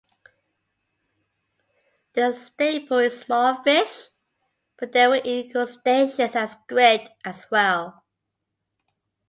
Their staple is small fish, but they will eat crustaceans and squid, as well.